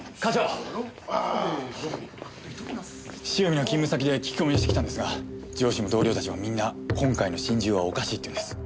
汐見の勤務先で聞き込みをしてきたんですが上司も同僚たちもみんな今回の心中はおかしいって言うんです。